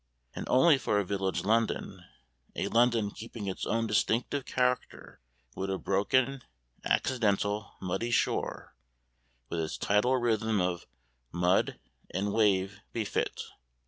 And only for a village London, a London keeping its own distinctive character, would a broken, accidental, muddy shore, with its tidal rhythm of mud and wave, be fit.